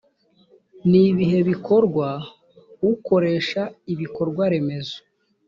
nibihe bikorwa ukoresha ibikorwaremezo